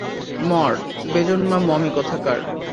মর, বেজন্মা মমি কোথাকার!